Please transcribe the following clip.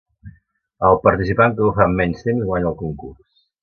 El participant que ho fa en menys temps guanya el concurs.